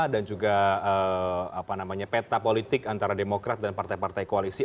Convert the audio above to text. dan juga peta politik antara demokrat dan partai partai koalisi